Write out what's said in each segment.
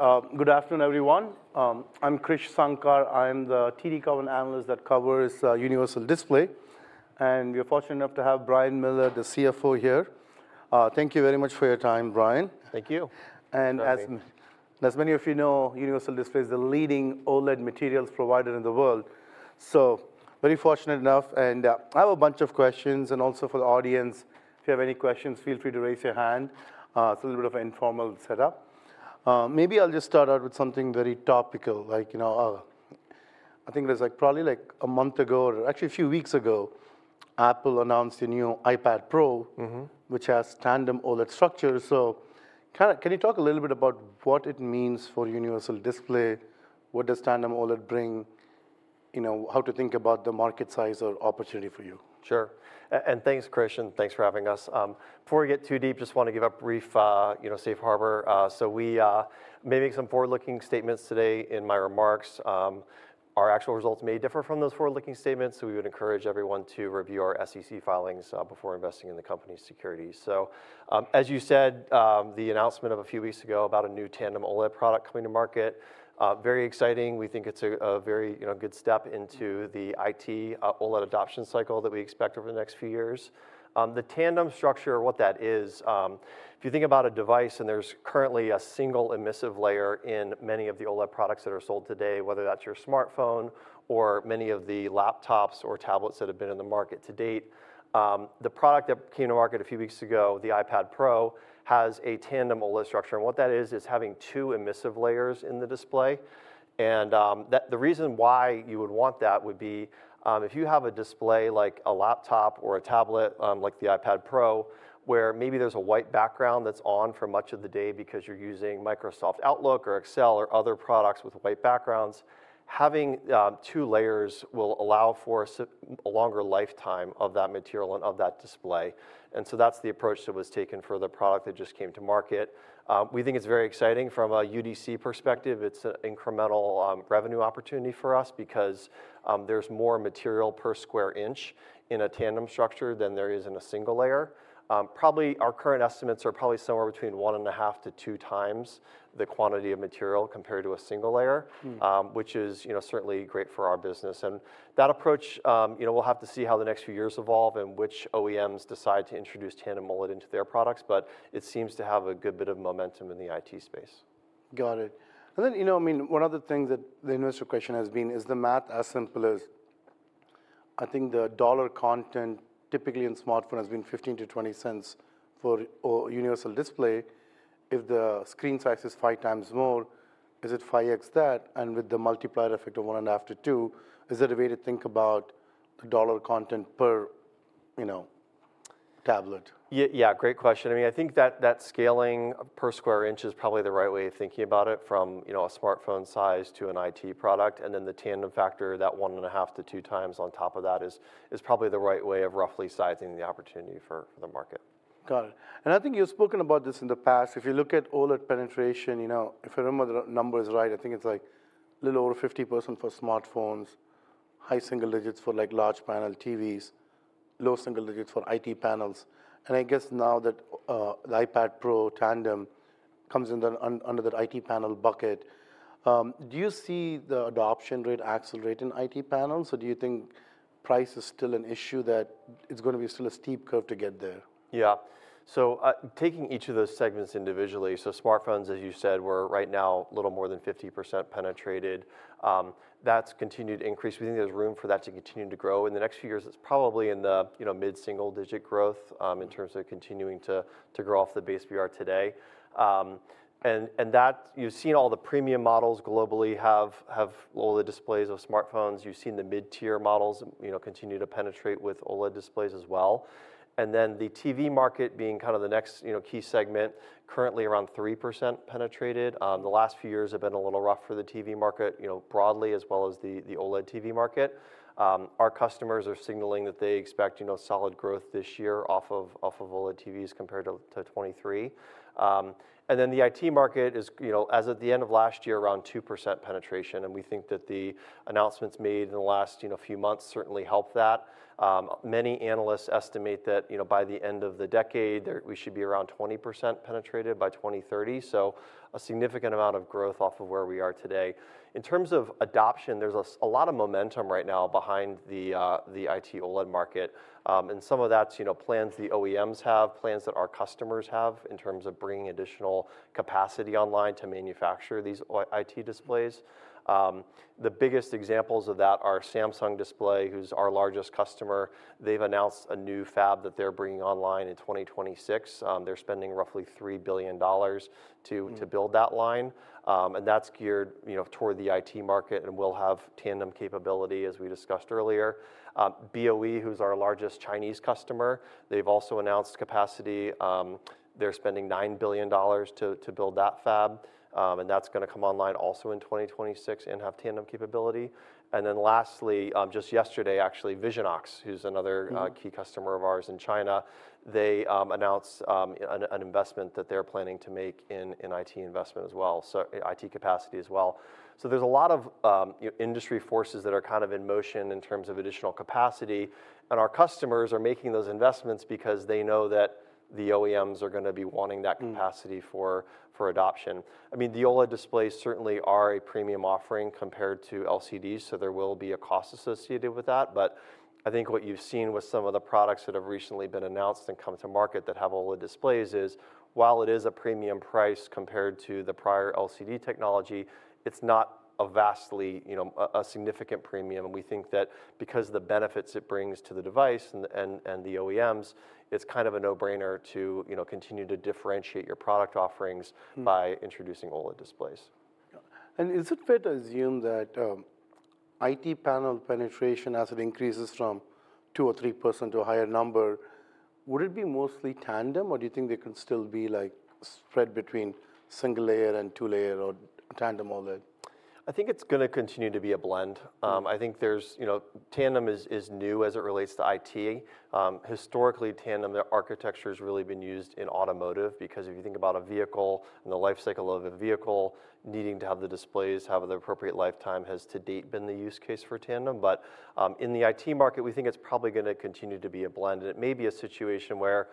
All right, good afternoon, everyone. I'm Krish Sankar. I'm the TD Cowen analyst that covers Universal Display, and we're fortunate enough to have Brian Miller, the CFO here. Thank you very much for your time, Brian. Thank you. And as- My pleasure. As many of you know, Universal Display is the leading OLED materials provider in the world, so very fortunate enough. And I have a bunch of questions, and also for the audience, if you have any questions, feel free to raise your hand. It's a little bit of an informal setup. Maybe I'll just start out with something very topical, like, you know, I think it was, like, probably like a month ago, or actually a few weeks ago, Apple announced a new iPad Pro. Mm-hmm... which has tandem OLED structure. So kind of, can you talk a little bit about what it means for Universal Display? What does tandem OLED bring? You know, how to think about the market size or opportunity for you? Sure, and thanks, Krish, and thanks for having us. Before we get too deep, just want to give a brief, you know, Safe Harbor. So we may make some forward-looking statements today in my remarks. Our actual results may differ from those forward-looking statements, so we would encourage everyone to review our SEC filings before investing in the company's securities. So, as you said, the announcement of a few weeks ago about a new Tandem OLED product coming to market, very exciting. We think it's a very, you know, good step into the IT, OLED adoption cycle that we expect over the next few years. The tandem structure, what that is, if you think about a device, and there's currently a single emissive layer in many of the OLED products that are sold today, whether that's your smartphone or many of the laptops or tablets that have been in the market to date. The product that came to market a few weeks ago, the iPad Pro, has a tandem OLED structure, and what that is, is having two emissive layers in the display. The reason why you would want that would be if you have a display, like a laptop or a tablet, like the iPad Pro, where maybe there's a white background that's on for much of the day because you're using Microsoft Outlook or Excel or other products with white backgrounds, having two layers will allow for a longer lifetime of that material and of that display, and so that's the approach that was taken for the product that just came to market. We think it's very exciting. From a UDC perspective, it's an incremental revenue opportunity for us because there's more material per square inch in a tandem structure than there is in a single layer. Probably our current estimates are probably somewhere between 1.5-2 times the quantity of material compared to a single layer- Mm... which is, you know, certainly great for our business. And that approach, you know, we'll have to see how the next few years evolve and which OEMs decide to introduce Tandem OLED into their products, but it seems to have a good bit of momentum in the IT space. Got it. And then, you know, I mean, one of the things that the investor question has been, is the math as simple as I think the dollar content typically in smartphone has been $0.15-$0.20 for a Universal Display. If the screen size is five times more, is it 5x that? And with the multiplier effect of 1.5-2, is that a way to think about the dollar content per, you know, tablet? Yeah, great question. I mean, I think that scaling per square inch is probably the right way of thinking about it from, you know, a smartphone size to an IT product, and then the tandem factor, that 1.5-2x times on top of that is probably the right way of roughly sizing the opportunity for the market. Got it. And I think you've spoken about this in the past. If you look at all the penetration, you know, if I remember the numbers right, I think it's, like, a little over 50% for smartphones, high single digits for, like, large panel TVs, low single digits for IT panels. And I guess now that the iPad Pro tandem comes under, under that IT panel bucket, do you see the adoption rate accelerate in IT panels, or do you think price is still an issue, that it's gonna be still a steep curve to get there? Yeah. So, taking each of those segments individually, so smartphones, as you said, we're right now a little more than 50% penetrated. That's continued to increase. We think there's room for that to continue to grow. In the next few years, it's probably in the, you know, mid-single digit growth, in terms of- Mm... continuing to grow off the base we are today. And that you've seen all the premium models globally have all the displays of smartphones. You've seen the mid-tier models, you know, continue to penetrate with OLED displays as well. And then the TV market being kind of the next, you know, key segment, currently around 3% penetrated. The last few years have been a little rough for the TV market, you know, broadly, as well as the OLED TV market. Our customers are signaling that they expect, you know, solid growth this year off of OLED TVs compared to 2023. And then the IT market is, you know, as of the end of last year, around 2% penetration, and we think that the announcements made in the last, you know, few months certainly helped that. Many analysts estimate that, you know, by the end of the decade, we should be around 20% penetrated by 2030, so a significant amount of growth off of where we are today. In terms of adoption, there's a lot of momentum right now behind the, the IT OLED market, and some of that's, you know, plans the OEMs have, plans that our customers have in terms of bringing additional capacity online to manufacture these IT displays. The biggest examples of that are Samsung Display, who's our largest customer. They've announced a new fab that they're bringing online in 2026. They're spending roughly $3 billion to- Mm... to build that line, and that's geared, you know, toward the IT market and will have tandem capability, as we discussed earlier. BOE, who's our largest Chinese customer, they've also announced capacity. They're spending $9 billion to build that fab, and that's gonna come online also in 2026 and have tandem capability. And then lastly, just yesterday, actually, Visionox, who's another- Mm... key customer of ours in China, they announced an investment that they're planning to make in IT investment as well, so IT capacity as well. So there's a lot of industry forces that are kind of in motion in terms of additional capacity, and our customers are making those investments because they know that the OEMs are gonna be wanting that capacity- Mm... for adoption. I mean, the OLED displays certainly are a premium offering compared to LCDs, so there will be a cost associated with that. But I think what you've seen with some of the products that have recently been announced and come to market that have OLED displays is, while it is a premium price compared to the prior LCD technology, it's not a vastly, you know, a significant premium. And we think that because of the benefits it brings to the device and the OEMs, it's kind of a no-brainer to, you know, continue to differentiate your product offerings- Mm... by introducing OLED displays. Yeah. And is it fair to assume that, IT panel penetration, as it increases from 2%-3% to a higher number, would it be mostly tandem, or do you think they can still be, like, spread between single layer and two layer or tandem OLED? I think it's gonna continue to be a blend. Mm. I think there's, you know, tandem is new as it relates to IT. Historically, tandem, the architecture's really been used in automotive, because if you think about a vehicle and the life cycle of a vehicle, needing to have the displays have the appropriate lifetime has to date been the use case for tandem. But in the IT market, we think it's probably gonna continue to be a blend, and it may be a situation where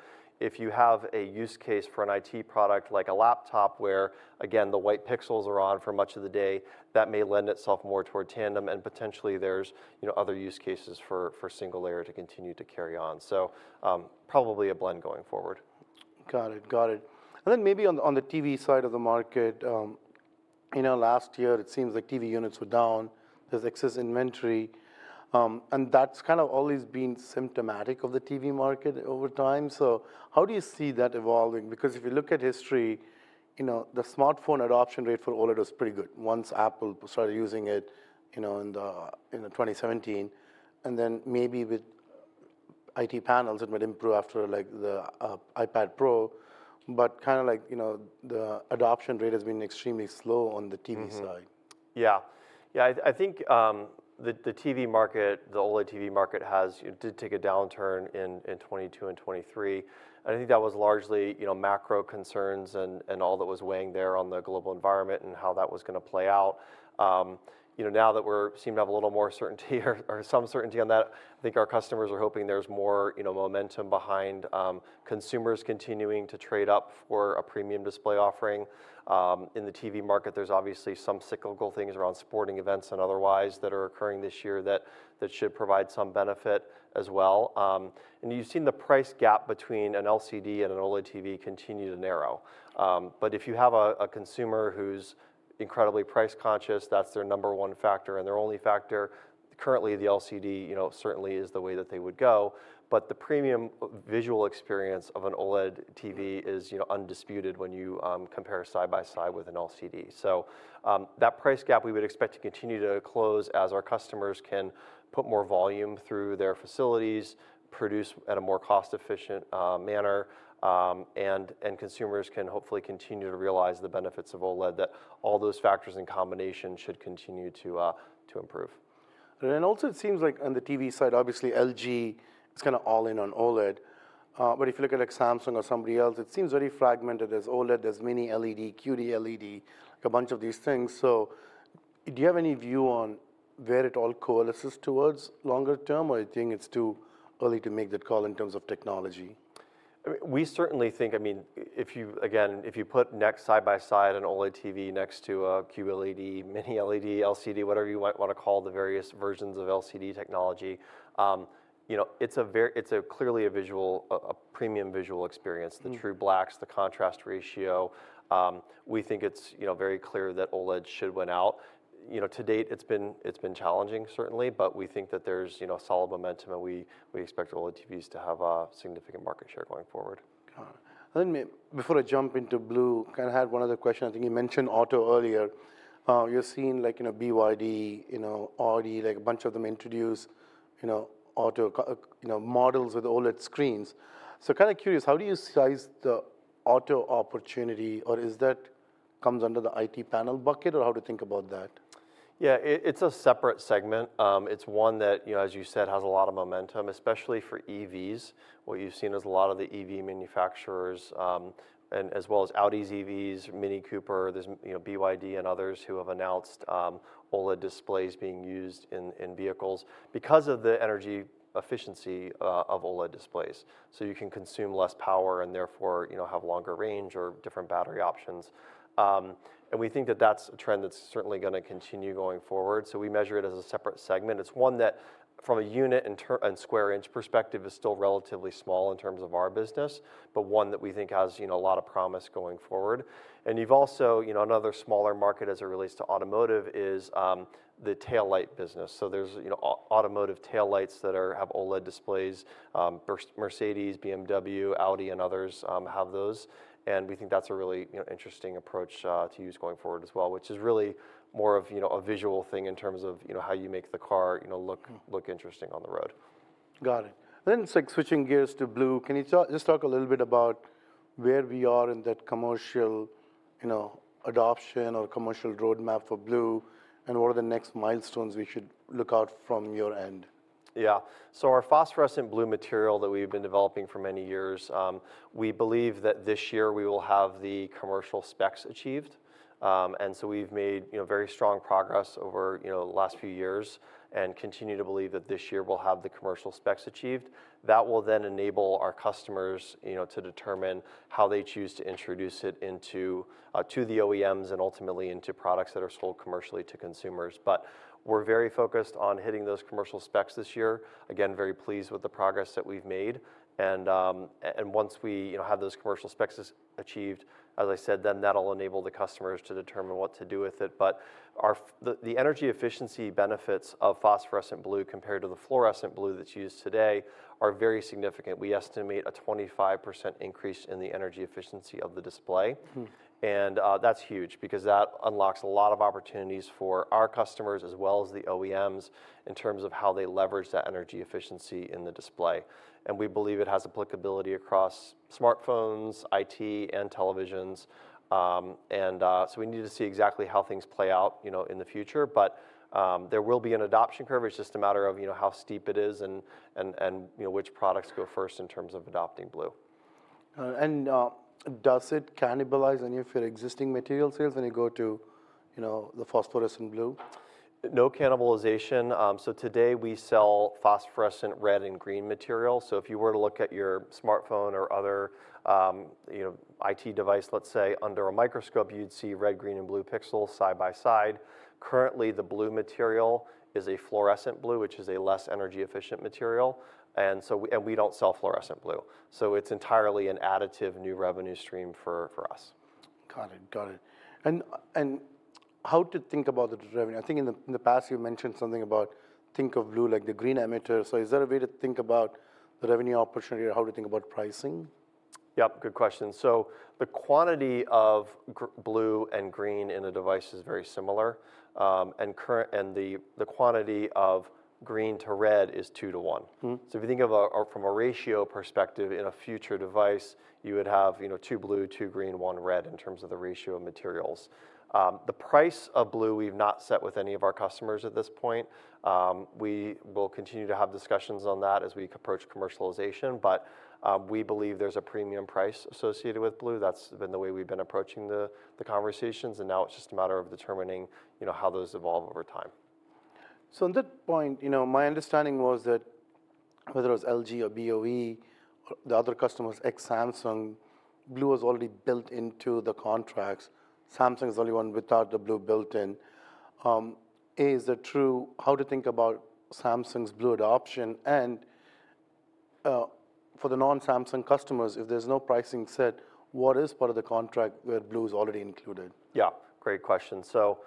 if you have a use case for an IT product, like a laptop, where, again, the white pixels are on for much of the day, that may lend itself more toward tandem, and potentially there's, you know, other use cases for single layer to continue to carry on. So, probably a blend going forward. Got it. Got it. And then maybe on the TV side of the market, you know, last year it seems like TV units were down. There's excess inventory, and that's kind of always been symptomatic of the TV market over time. So how do you see that evolving? Because if you look at history, you know, the smartphone adoption rate for OLED was pretty good once Apple started using it, you know, in the, in the 2017. And then maybe with IT panels, it might improve after, like, the iPad Pro, but kind of like, you know, the adoption rate has been extremely slow on the TV side. Mm-hmm. Yeah. Yeah, I think the TV market, the OLED TV market has. It did take a downturn in 2022 and 2023, and I think that was largely, you know, macro concerns and all that was weighing there on the global environment and how that was gonna play out. You know, now that we seem to have a little more certainty or some certainty on that, I think our customers are hoping there's more, you know, momentum behind consumers continuing to trade up for a premium display offering. In the TV market, there's obviously some cyclical things around sporting events and otherwise that are occurring this year that should provide some benefit as well. And you've seen the price gap between an LCD and an OLED TV continue to narrow. But if you have a consumer who's incredibly price conscious, that's their number one factor and their only factor, currently, the LCD, you know, certainly is the way that they would go. But the premium visual experience of an OLED TV is, you know, undisputed when you compare side by side with an LCD. So, that price gap, we would expect to continue to close as our customers can put more volume through their facilities, produce at a more cost-efficient manner, and consumers can hopefully continue to realize the benefits of OLED, that all those factors in combination should continue to improve. Then also it seems like on the TV side, obviously LG is kind of all in on OLED. But if you look at like Samsung or somebody else, it seems very fragmented. There's OLED, there's mini LED, QD-OLED, like a bunch of these things. So do you have any view on where it all coalesces towards longer term, or you think it's too early to make that call in terms of technology? I mean, we certainly think, I mean, if you, again, if you put next side by side an OLED TV next to a QLED, Mini-LED, LCD, whatever you might wanna call the various versions of LCD technology, you know, it's clearly a visual, a premium visual experience- Mm... the true blacks, the contrast ratio. We think it's, you know, very clear that OLED should win out. You know, to date, it's been challenging certainly, but we think that there's, you know, solid momentum, and we expect OLED TVs to have a significant market share going forward. Got it. Let me—before I jump into Blue, kind of had one other question. I think you mentioned auto earlier. You're seeing like, you know, BYD, you know, Audi, like a bunch of them introduce, you know, auto car models with OLED screens. So kind of curious, how do you size the auto opportunity, or is that comes under the IT panel bucket, or how to think about that? Yeah, it, it's a separate segment. It's one that, you know, as you said, has a lot of momentum, especially for EVs. What you've seen is a lot of the EV manufacturers, and as well as Audi's EVs, Mini Cooper, you know, BYD and others who have announced OLED displays being used in vehicles because of the energy efficiency of OLED displays. So you can consume less power and therefore, you know, have longer range or different battery options. And we think that that's a trend that's certainly gonna continue going forward, so we measure it as a separate segment. It's one that, from a unit and square inch perspective, is still relatively small in terms of our business, but one that we think has, you know, a lot of promise going forward. And you've also, you know, another smaller market as it relates to automotive is the taillight business. So there's, you know, automotive taillights that have OLED displays. Mercedes, BMW, Audi, and others have those, and we think that's a really, you know, interesting approach to use going forward as well, which is really more of, you know, a visual thing in terms of, you know, how you make the car, you know, look- Mm... look interesting on the road. Got it. Then it's like switching gears to Blue, just talk a little bit about where we are in that commercial, you know, adoption or commercial roadmap for Blue, and what are the next milestones we should look out for from your end?... Yeah, so our phosphorescent blue material that we've been developing for many years, we believe that this year we will have the commercial specs achieved. And so we've made, you know, very strong progress over, you know, the last few years, and continue to believe that this year we'll have the commercial specs achieved. That will then enable our customers, you know, to determine how they choose to introduce it into, to the OEMs and ultimately into products that are sold commercially to consumers. But we're very focused on hitting those commercial specs this year. Again, very pleased with the progress that we've made, and, and once we, you know, have those commercial specs as achieved, as I said, then that'll enable the customers to determine what to do with it. But the energy efficiency benefits of phosphorescent blue compared to the fluorescent blue that's used today are very significant. We estimate a 25% increase in the energy efficiency of the display. Hmm. That's huge, because that unlocks a lot of opportunities for our customers, as well as the OEMs, in terms of how they leverage that energy efficiency in the display. We believe it has applicability across smartphones, IT, and televisions. So we need to see exactly how things play out, you know, in the future, but there will be an adoption curve. It's just a matter of, you know, how steep it is, and you know, which products go first in terms of adopting blue. Does it cannibalize any of your existing material sales when you go to, you know, the phosphorescent blue? No cannibalization. So today we sell phosphorescent red and green material, so if you were to look at your smartphone or other, you know, IT device, let's say, under a microscope, you'd see red, green, and blue pixels side by side. Currently, the blue material is a fluorescent blue, which is a less energy efficient material, and so, and we don't sell fluorescent blue. So it's entirely an additive new revenue stream for, for us. Got it. Got it. And how to think about the revenue? I think in the past, you've mentioned something about think of blue like the green emitter. So is there a way to think about the revenue opportunity or how to think about pricing? Yep, good question. So the quantity of blue and green in a device is very similar. And the quantity of green to red is 2:1. Hmm. So if you think of, from a ratio perspective in a future device, you would have, you know, two blue, two green, one red in terms of the ratio of materials. The price of blue we've not set with any of our customers at this point. We will continue to have discussions on that as we approach commercialization, but we believe there's a premium price associated with blue. That's been the way we've been approaching the conversations, and now it's just a matter of determining, you know, how those evolve over time. So on that point, you know, my understanding was that whether it was LG or BOE, the other customers, ex-Samsung, blue was already built into the contracts. Samsung is the only one without the blue built in. Is that true? How to think about Samsung's blue adoption, and, for the non-Samsung customers, if there's no pricing set, what is part of the contract where blue is already included? Yeah, great question. So,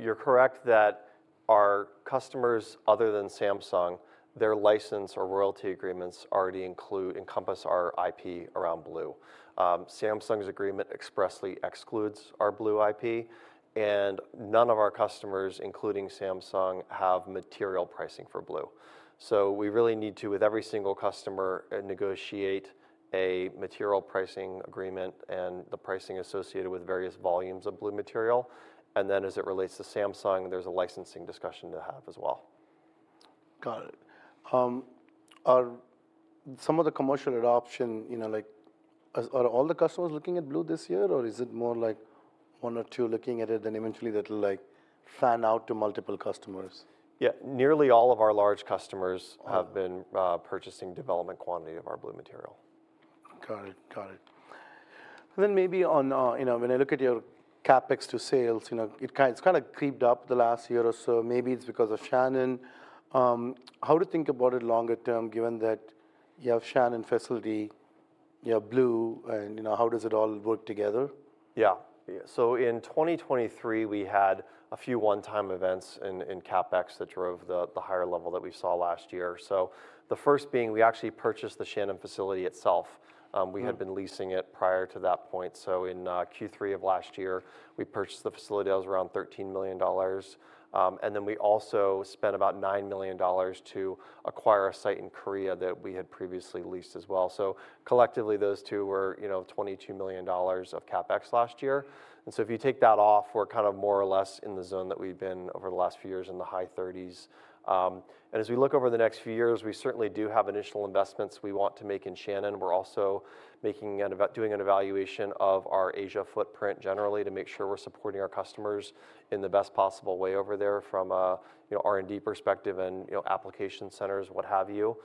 you're correct that our customers, other than Samsung, their license or royalty agreements already include, encompass our IP around blue. Samsung's agreement expressly excludes our blue IP, and none of our customers, including Samsung, have material pricing for blue. So we really need to, with every single customer, negotiate a material pricing agreement and the pricing associated with various volumes of blue material, and then as it relates to Samsung, there's a licensing discussion to have as well. Got it. Are some of the commercial adoption, you know, like, as are all the customers looking at blue this year, or is it more like one or two looking at it, and eventually that'll like fan out to multiple customers? Yeah, nearly all of our large customers- Uh-... have been purchasing development quantity of our blue material. Got it. Got it. Then maybe on, you know, when I look at your CapEx to sales, you know, it's kind of crept up the last year or so. Maybe it's because of Shannon. How to think about it longer term, given that you have Shannon facility, you have blue, and, you know, how does it all work together? Yeah. Yeah, so in 2023, we had a few one-time events in CapEx that drove the higher level that we saw last year. So the first being we actually purchased the Shannon facility itself. We- Hmm... had been leasing it prior to that point. So in Q3 of last year, we purchased the facility. That was around $13 million. And then we also spent about $9 million to acquire a site in Korea that we had previously leased as well. So collectively, those two were, you know, $22 million of CapEx last year. And so if you take that off, we're kind of more or less in the zone that we've been over the last few years in the high 30s. And as we look over the next few years, we certainly do have initial investments we want to make in Shannon. We're also doing an evaluation of our Asia footprint generally to make sure we're supporting our customers in the best possible way over there from a, you know, R&D perspective and, you know, application centers, what have you.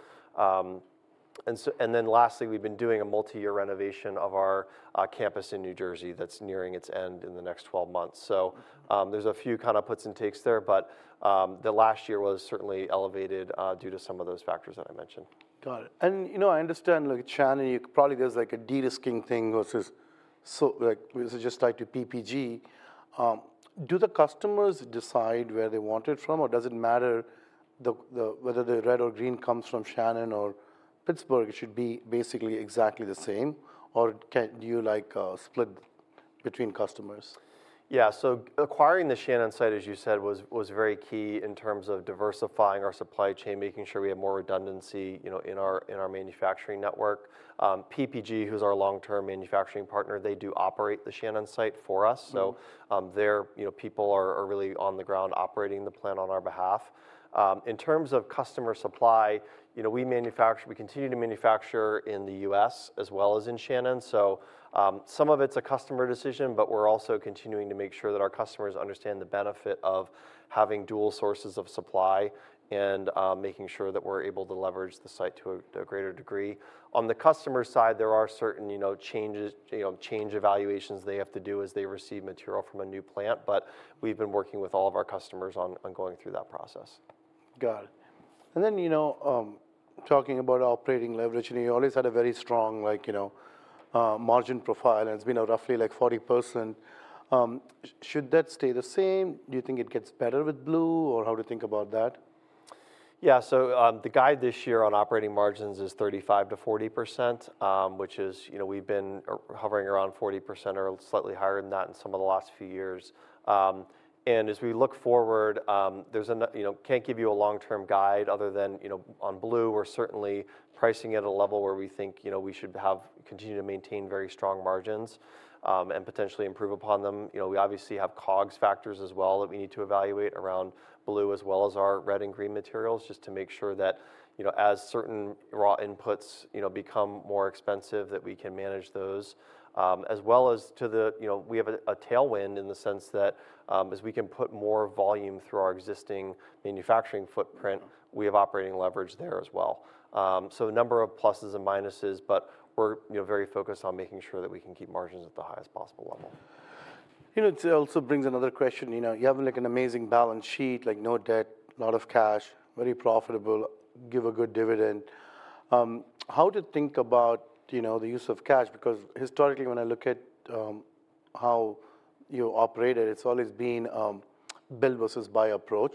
And then lastly, we've been doing a multi-year renovation of our campus in New Jersey that's nearing its end in the next 12 months. So, there's a few kind of puts and takes there, but, the last year was certainly elevated due to some of those factors that I mentioned. Got it. And, you know, I understand, like, Shannon. You probably there's like a de-risking thing, which is so, like, this is just tied to PPG. Do the customers decide where they want it from, or does it matter whether the red or green comes from Shannon or Pittsburgh? It should be basically exactly the same, or can you, like, split between customers? Yeah, so acquiring the Shannon site, as you said, was very key in terms of diversifying our supply chain, making sure we have more redundancy, you know, in our manufacturing network. PPG, who's our long-term manufacturing partner, they do operate the Shannon site for us- Mm. So, their people are really on the ground operating the plant on our behalf. In terms of customer supply, you know, we manufacture. We continue to manufacture in the U.S. as well as in Shannon, so some of it's a customer decision, but we're also continuing to make sure that our customers understand the benefit of having dual sources of supply and making sure that we're able to leverage the site to a greater degree. On the customer side, there are certain, you know, changes, you know, change evaluations they have to do as they receive material from a new plant, but we've been working with all of our customers on going through that process. Got it. And then, you know, talking about operating leverage, and you always had a very strong like, you know, margin profile, and it's been roughly like 40%. Should that stay the same? Do you think it gets better with blue, or how to think about that? Yeah, so, the guide this year on operating margins is 35%-40%, which is, you know, we've been hovering around 40% or slightly higher than that in some of the last few years. And as we look forward, there's, you know, can't give you a long-term guide other than, you know, on blue, we're certainly pricing at a level where we think, you know, we should have... continue to maintain very strong margins, and potentially improve upon them. You know, we obviously have COGS factors as well that we need to evaluate around blue as well as our red and green materials, just to make sure that, you know, as certain raw inputs, you know, become more expensive, that we can manage those. As well as to the, you know, we have a tailwind in the sense that, as we can put more volume through our existing manufacturing footprint, we have operating leverage there as well. So a number of pluses and minuses, but we're, you know, very focused on making sure that we can keep margins at the highest possible level. You know, it also brings another question. You know, you have, like, an amazing balance sheet, like, no debt, a lot of cash, very profitable, give a good dividend. How to think about, you know, the use of cash? Because historically, when I look at how you operated, it's always been build versus buy approach,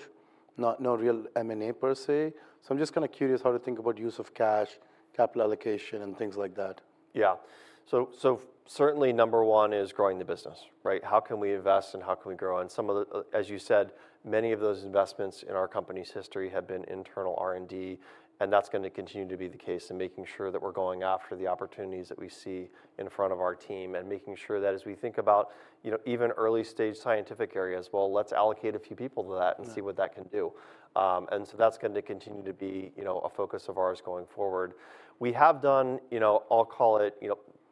not no real M&A per se. So I'm just kind of curious how to think about use of cash, capital allocation, and things like that. Yeah. So, so certainly number one is growing the business, right? How can we invest and how can we grow? And some of the, as you said, many of those investments in our company's history have been internal R&D, and that's gonna continue to be the case, and making sure that we're going after the opportunities that we see in front of our team, and making sure that as we think about, you know, even early-stage scientific areas, well, let's allocate a few people to that- Mm... and see what that can do. And so that's going to continue to be, you know, a focus of ours going forward. We have done, you know, I'll call it,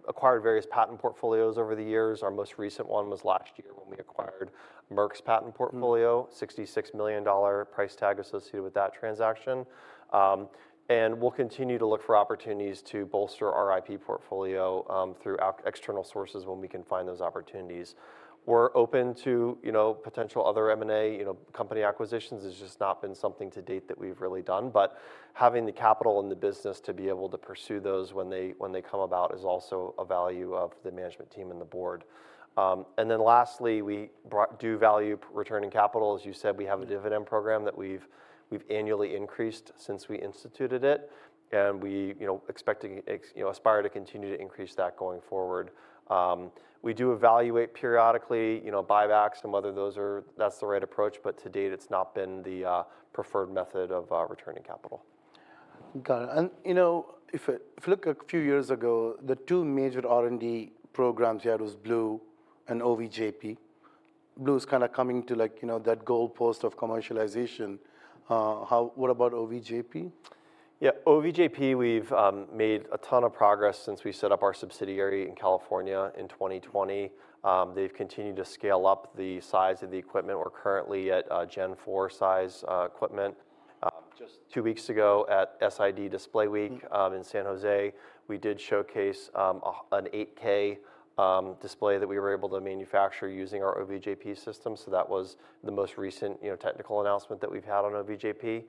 acquired various patent portfolios over the years. Our most recent one was last year when we acquired Merck's patent portfolio. Mm. $66 million price tag associated with that transaction. We'll continue to look for opportunities to bolster our IP portfolio, through external sources when we can find those opportunities. We're open to, you know, potential other M&A. You know, company acquisitions has just not been something to date that we've really done, but having the capital and the business to be able to pursue those when they come about, is also a value of the management team and the board. Then lastly, we do value returning capital. As you said, we have- Mm... a dividend program that we've annually increased since we instituted it, and we, you know, expecting, you know, aspire to continue to increase that going forward. We do evaluate periodically, you know, buybacks and whether that's the right approach, but to date, it's not been the preferred method of returning capital. Got it. You know, if you look a few years ago, the two major R&D programs you had was Blue and OVJP. Blue is kind of coming to like, you know, that goalpost of commercialization. What about OVJP? Yeah, OVJP, we've made a ton of progress since we set up our subsidiary in California in 2020. They've continued to scale up the size of the equipment. We're currently at Gen Four size equipment. Just two weeks ago at SID Display Week- Mm... in San Jose, we did showcase an 8K display that we were able to manufacture using our OVJP system, so that was the most recent, you know, technical announcement that we've had on OVJP.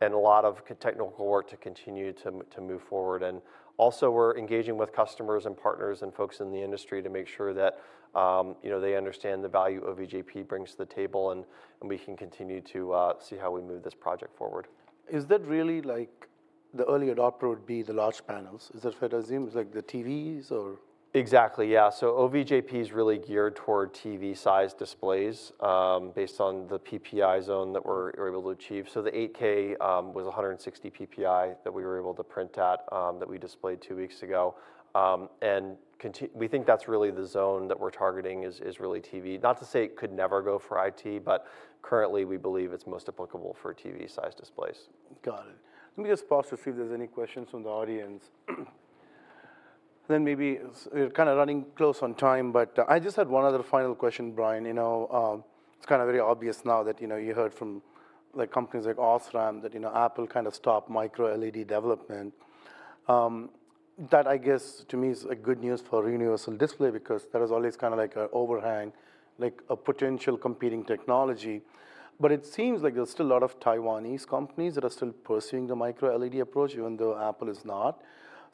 And a lot of technical work to continue to move forward. And also, we're engaging with customers and partners and folks in the industry to make sure that, you know, they understand the value OVJP brings to the table, and we can continue to see how we move this project forward. Is that really, like, the early adopter would be the large panels? Is that fair to assume, it's like the TVs or? Exactly, yeah. So OVJP is really geared toward TV-sized displays, based on the PPI zone that we're able to achieve. So the 8K was 160 PPI that we were able to print at, that we displayed two weeks ago. And we think that's really the zone that we're targeting, is really TV. Not to say it could never go for IT, but currently, we believe it's most applicable for TV-sized displays. Got it. Let me just pause to see if there's any questions from the audience. Then maybe, we're kind of running close on time, but I just had one other final question, Brian. You know, it's kind of very obvious now that, you know, you heard from like companies like Osram, that, you know, Apple kind of stopped micro-LED development. That, I guess, to me, is a good news for Universal Display, because there is always kind of like a overhang, like a potential competing technology. But it seems like there's still a lot of Taiwanese companies that are still pursuing the micro-LED approach, even though Apple is not.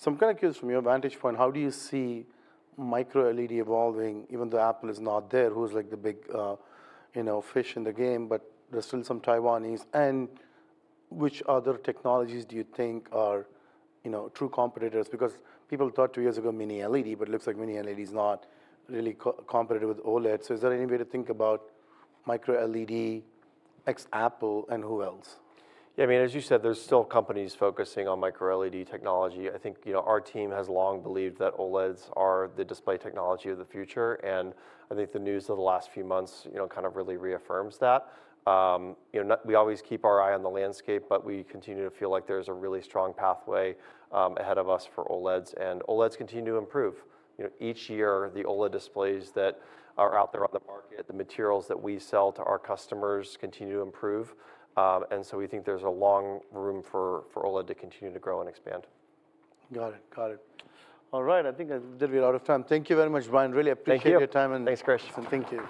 So I'm kind of curious, from your vantage point, how do you see micro-LED evolving, even though Apple is not there? Who's, like, the big, you know, fish in the game, but there are still some Taiwanese... Which other technologies do you think are, you know, true competitors? Because people thought two years ago Mini-LED, but it looks like Mini-LED is not really cost-competitive with OLED, so is there any way to think about Micro-LED ex-Apple and who else? Yeah, I mean, as you said, there's still companies focusing on micro-LED technology. I think, you know, our team has long believed that OLEDs are the display technology of the future, and I think the news of the last few months, you know, kind of really reaffirms that. We always keep our eye on the landscape, but we continue to feel like there's a really strong pathway ahead of us for OLEDs, and OLEDs continue to improve. You know, each year, the OLED displays that are out there on the market, the materials that we sell to our customers continue to improve. And so we think there's a long room for OLED to continue to grow and expand. Got it, got it. All right, I think we're out of time. Thank you very much, Brian. Really appreciate- Thank you... your time and- Thanks, Krish. Thank you.